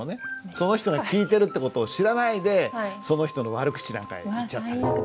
その人が聞いてるって事を知らないでその人の悪口なんか言っちゃったりして。